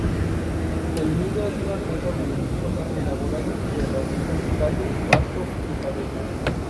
El nido es una taza voluminosa elaborada de ramitas, tallos, pastos y cabello.